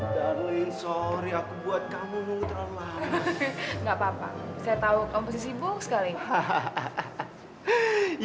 darling sorry aku buat kamu ngutrol lah nggak papa saya tahu komposisi buks kali